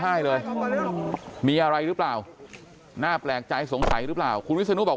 ให้เลยมีอะไรหรือเปล่าน่าแปลกใจสงสัยหรือเปล่าคุณวิศนุบอก